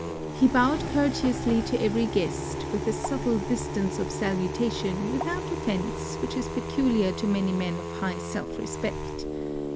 He bowed courteously to every guest, with a subtile distance of salutation without offence which is peculiar to many men of high self respect.